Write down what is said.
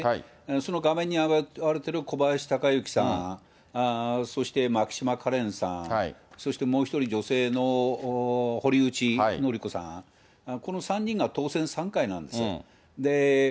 その画面に挙がっている小林鷹之さん、そして牧島かれんさん、そしてもう一人女性の堀内詔子さん、この３人が当選３回なんですよ。